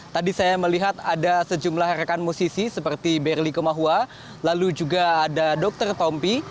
tadi saya melihat ada sejumlah rekan musisi seperti berlly komahua lalu juga ada dr tompi